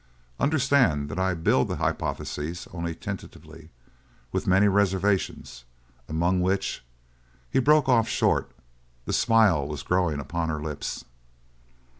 Understand that I build the hypothesis only tentatively, with many reservations, among which " He broke off short. The smile was growing upon her lips.